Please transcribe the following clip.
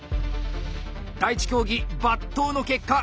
第１競技「伐倒」の結果